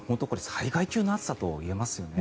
災害級の暑さといえますよね。